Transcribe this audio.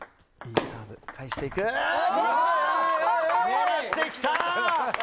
狙ってきた！